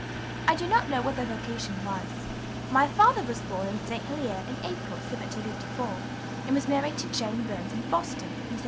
I do not know what their vocation was. My Father was born in St. Helier in April, 1754, and was married to Jane Burns in Boston, in 1781.